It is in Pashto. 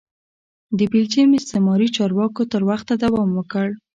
د بلجیم استعماري چارواکو تر وخته دوام وکړ.